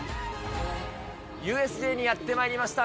ＵＳＪにやってまいりました。